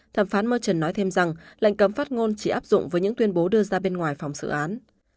thẩm phán morton nói thêm rằng lệnh cấm phát ngôn chỉ áp dụng với những tuyên bố đưa ra bên ngoài phòng xử án